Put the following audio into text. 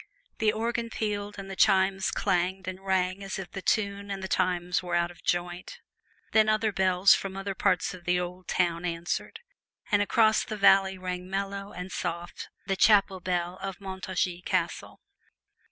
The organ pealed, and the chimes clanged and rang as if the tune and the times were out of joint; then other bells from other parts of the old town answered, and across the valley rang mellow and soft the chapel bell of Montargis Castle.